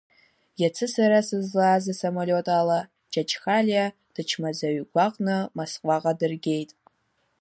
Иацы сара сызлааз асамолиот ала, Чачхалиа дычмазаҩ гәаҟны Москваҟа дыргеит.